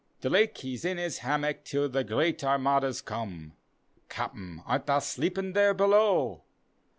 Drake he's in his hammock till the great Armadas come, (Capten, art tha sleepin' there below?)